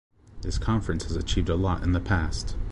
This Conference has achieved a lot in the past.